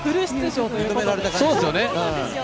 認められた感じですよね。